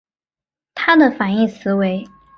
它的反义词为。